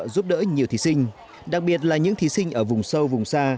giúp đỡ nhiều thí sinh đặc biệt là những thí sinh ở vùng sâu vùng xa